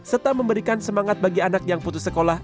serta memberikan semangat bagi anak yang putus sekolah